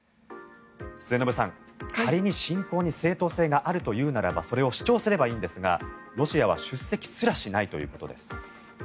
末延さん、仮に侵攻に正当性があるというならばそれを主張すればいいんですがロシアは出席すらしないということです。